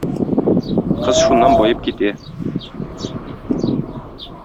Кыз шуннан баеп китә.